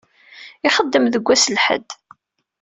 Ixeddem deg wass n lḥedd.